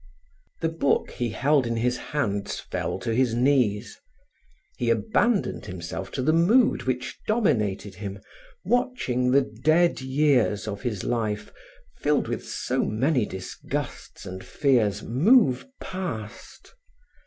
The book he held in his hands fell to his knees. He abandoned himself to the mood which dominated him, watching the dead years of his life filled with so many disgusts and fears, move past.